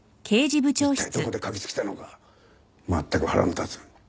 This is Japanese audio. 一体どこで嗅ぎつけたのかまったく腹の立つ。